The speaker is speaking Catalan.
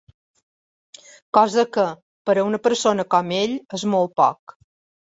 Cosa que, per a una persona com ell, és molt poc.